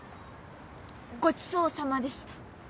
ごちそうさまでした。